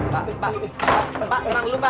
pak pak pak